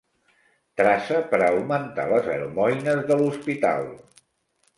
Traça per a augmentar les almoines de l'Hospital.